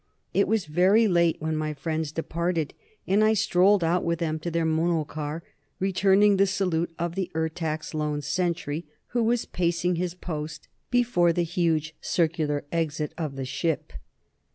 It was very late when my friends departed, and I strolled out with them to their mono car, returning the salute of the Ertak's lone sentry, who was pacing his post before the huge circular exit of the ship.